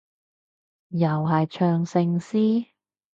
又係唱聖詩？